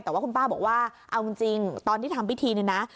แต่ว่าคุณป้าบอกว่าเอาจริงตอนที่ทำพิธีเนี่ยนะ